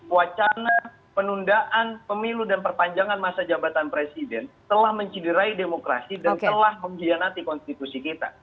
wacana penundaan pemilu dan perpanjangan masa jabatan presiden telah menciderai demokrasi dan telah mengkhianati konstitusi kita